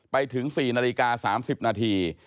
ไปถึง๔นาฬิกา๓๐นาที